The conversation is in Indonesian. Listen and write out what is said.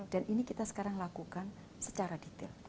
dan ini kita sekarang lakukan secara detail